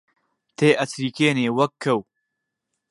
تێئەچریکێنێ وەک کەو